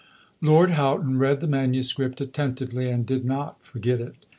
Lord Houghton read the manuscript attentively, and did not forget it.